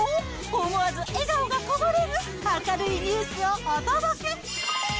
思わず笑顔がこぼれる明るいニュースをお届け。